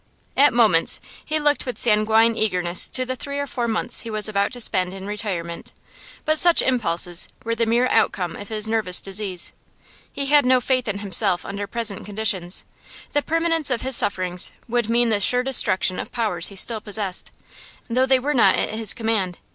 At moments he looked with sanguine eagerness to the three or four months he was about to spend in retirement, but such impulses were the mere outcome of his nervous disease. He had no faith in himself under present conditions; the permanence of his sufferings would mean the sure destruction of powers he still possessed, though they were not at his command.